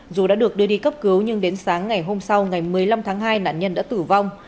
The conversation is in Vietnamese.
dù đã được đưa đi cấp cứu nhưng đến sáng ngày hôm sau ngày một mươi năm tháng hai nạn nhân đã tử vong